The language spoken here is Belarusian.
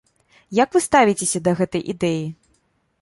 Як вы ставіцеся да гэтай ідэі?